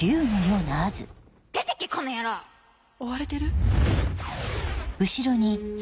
出てけこの野郎！追われてる？